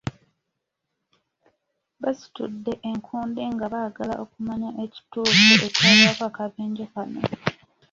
Basitudde enkundi nga baagala okumanya ekituufu ekyavaako akabenje kano.